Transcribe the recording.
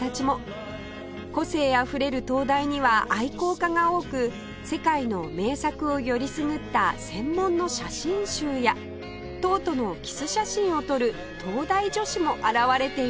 個性あふれる灯台には愛好家が多く世界の名作をよりすぐった専門の写真集や塔とのキス写真を撮る灯台女子も現れています